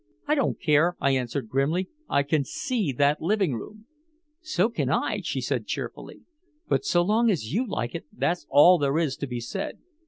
"I don't care," I answered grimly. "I can see that living room " "So can I," she said cheerfully. "But so long as you like it, that's all there is to be said.